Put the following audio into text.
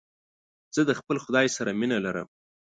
زه د خپل خداى سره مينه لرم.